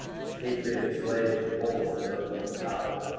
Repatriated slaves had told him of the Earthlings' power.